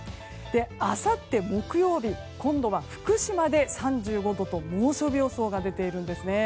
あさって木曜日今度は福島で３５度と猛暑日予想が出ているんですね。